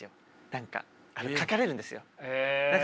何か書かれるんですよ。